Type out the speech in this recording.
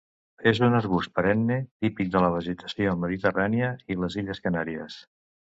És un arbust perenne típic de la vegetació mediterrània i les Illes Canàries.